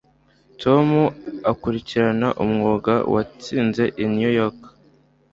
Tom akurikirana umwuga watsinze i New York